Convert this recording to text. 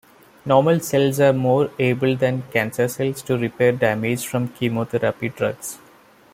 Normal cells are more able than cancer cells to repair damage from chemotherapy drugs.